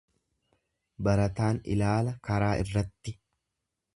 Barataan ilaala karaa irratti.